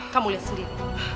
kamu lihat sendiri